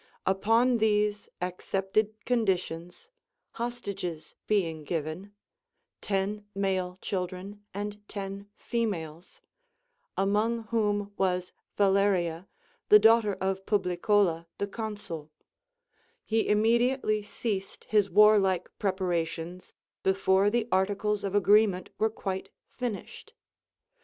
Upon these accepted conditions hostages being given, — ten male children, and ten females (among Λvhom was Valeria, the daughter of Publicola the consul), — he immediately ceased his Avarlike preparations before the articles of agreement were quite finished.